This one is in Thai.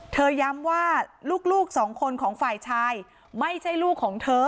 ย้ำว่าลูกสองคนของฝ่ายชายไม่ใช่ลูกของเธอ